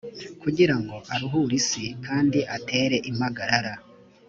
kugira ngo aruhure isi kandi atere impagarara